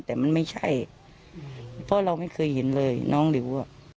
แต่มันไม่ใช่เพราะเราไม่เคยเห็นเลยน้องหลิวอ่ะ